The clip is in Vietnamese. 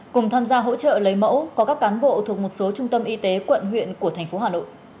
cùng tham gia hỗ trợ lấy mẫu có các cán bộ thuộc một số trung tâm y tế quận huyện của tp hcm